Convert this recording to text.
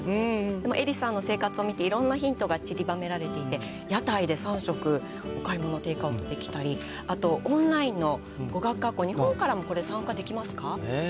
でもエリさんの生活を見て、いろんなヒントがちりばめられていて、屋台で３食お買い物テイクアウトできたり、あとオンラインの語学学校、日本からも、これ、参加できますか？